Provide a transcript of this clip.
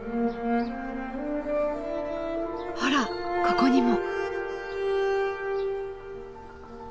ほらここにも！